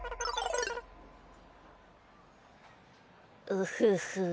ウフフ。